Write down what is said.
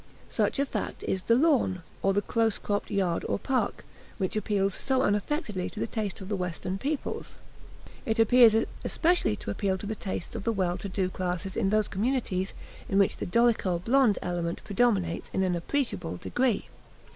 Such a fact is the lawn, or the close cropped yard or park, which appeals so unaffectedly to the taste of the Western peoples. It appears especially to appeal to the tastes of the well to do classes in those communities in which the dolicho blond element predominates in an appreciable degree.